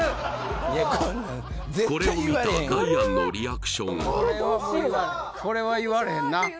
これを見たダイアンのリアクションはこんにちは